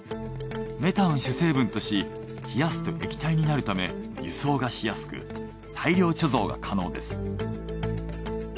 メタンを主成分とし冷やすと液体になるため輸送がしやすく大量貯蔵が可能です。